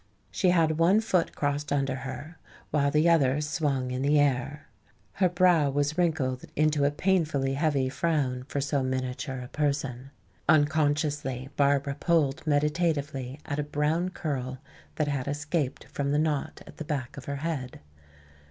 She had one foot crossed under her, while the other swung in the air. Her brow was wrinkled into a painfully heavy frown for so miniature a person. Unconsciously Barbara pulled meditatively at a brown curl that had escaped from the knot at the back of her head.